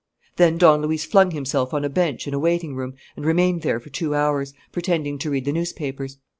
Then Don Luis flung himself on a bench in a waiting room and remained there for two hours, pretending to read the newspapers.